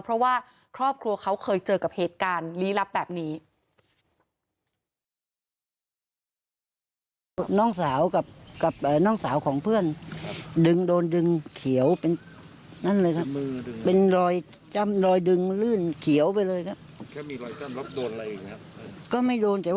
เพราะว่าครอบครัวเขาเคยเจอกับเหตุการณ์ลี้ลับแบบนี้